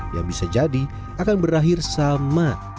yang bisa jadi akan berakhir sama